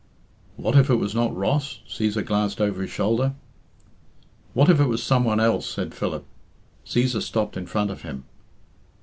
"What if it was not Ross " Cæsar glanced over his shoulder. "What if it was some one else " said Philip. Cæsar stopped in front of him.